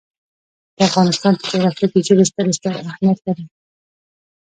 د افغانستان په جغرافیه کې ژبې ستر اهمیت لري.